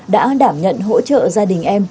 đã đảm nhận hỗ trợ gia đình em